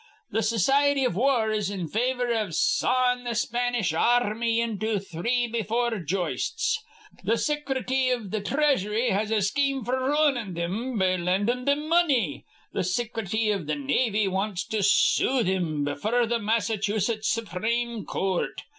Th' Sicrety iv War is in favor iv sawin' th' Spanish ar rmy into two be four joists. Th' Sicrety iv th' Three asury has a scheme f'r roonin' thim be lindin' thim money. Th' Sicrety iv th' Navy wants to sue thim befure th' Mattsachusetts Supreme Coort.